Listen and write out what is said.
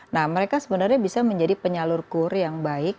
nah mereka sebenarnya bisa menjadi penyalur kur yang baik